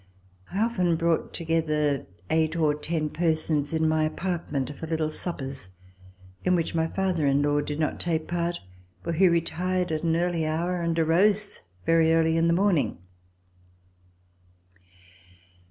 I often brought together eight or ten persons in my apartment for little suppers, in which my father in law did not take part, for he retired at an early hour and arose very early in the morning.